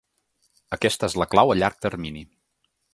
Aquesta és la clau a llarg termini.